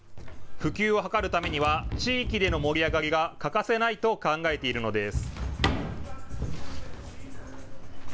普及を図るためには地域での盛り上がりが欠かせないと考えているのです。